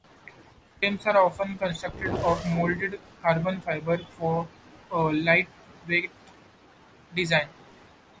Frames are often constructed of moulded carbon fiber, for a lightweight design.